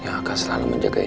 yang akan selalu menjagaimu